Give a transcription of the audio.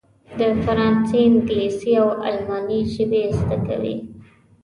د فرانسې، انګلیسي او الماني ژبې زده کوي.